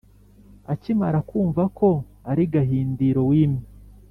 Akimara kumva ko ari Gahindiro wimye